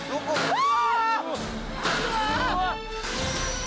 うわ！